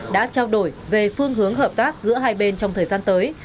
đã trao đổi về phương hướng hợp tác giữa hai bên trong thời gian tới